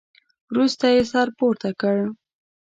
وروسته يې سر پورته کړ.